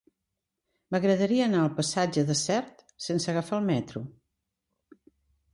M'agradaria anar al passatge de Sert sense agafar el metro.